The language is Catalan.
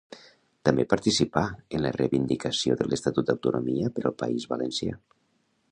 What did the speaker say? També participà en la reivindicació de l'estatut d'autonomia per al País Valencià.